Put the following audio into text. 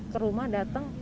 ke rumah datang